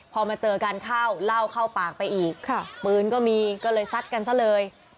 พอมาเจอกันเข้าเหล้าเข้าปากไปอีกปืนก็มีก็เลยซัดกันซะเลย